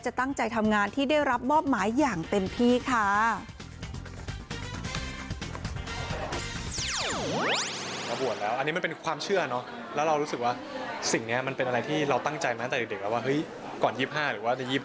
ก่อน๒๕หรือว่า๒๕เราจะบวชเพื่อให้ครอบครัวอะไรอย่างนี้